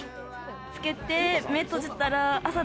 つけて目を閉じたら朝だ！